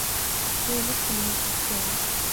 Би нэг хүнээс сонссон юм.